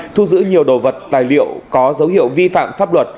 thu giữ nhiều đồ vật tài liệu có dấu hiệu vi phạm pháp luật